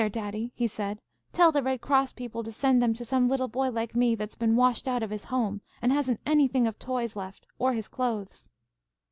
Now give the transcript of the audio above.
"'There, daddy,' he said, 'tell the Red Cross people to send them to some little boy like me, that's been washed out of his home and hasn't anything of toys left, or his clothes.'